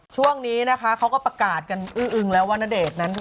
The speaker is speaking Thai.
ช่วงนี้นะคะเขาก็ประกาศกันอื้ออึงแล้วว่าณเดชน์นั้น